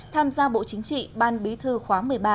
tham gia bộ chính trị ban bí thư khóa một mươi ba